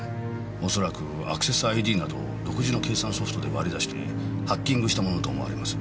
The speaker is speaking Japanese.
恐らくアクセスＩＤなど独自の計算ソフトで割り出してハッキングしたものと思われます。